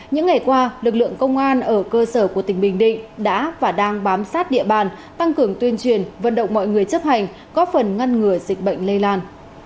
những ngày qua lực lượng công an ở cơ sở của tỉnh bình định đã và đang bám sát địa bàn tăng cường tuyên truyền vận động mọi người chấp hành góp phần ngăn ngừa dịch bệnh lây lan